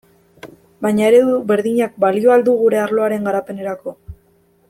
Baina eredu berdinak balio al du gure arloaren garapenerako?